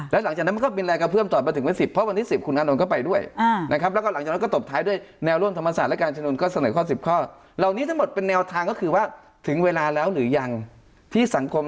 และหลังจากนั้นมันก็มีแรงกระเพื่อมต่อไปถึงวัน๑๐